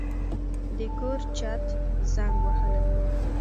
د کور چت زنګ وهلی و.